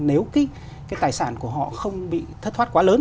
nếu cái tài sản của họ không bị thất thoát quá lớn